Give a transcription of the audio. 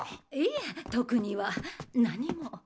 いえ特には何も。